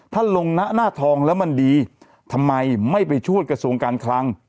ถ้าลงหน้าทองแล้วมันดีทำไมไม่ไปช่วยกระทรวงการคลัง